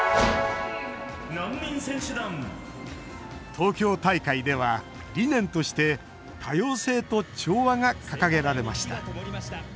東京大会では理念として「多様性と調和」が掲げられました。